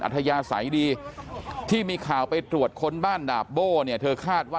ทัศยาสัยดีที่มีข่าวไปตรวจค้นบ้านดาบโบ้เนี่ยเธอคาดว่า